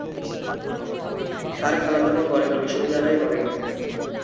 তার খালাতো বোন বরেন্দ্র বিশ্ববিদ্যালয়ে পড়ে।